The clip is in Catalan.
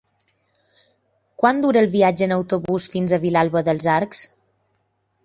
Quant dura el viatge en autobús fins a Vilalba dels Arcs?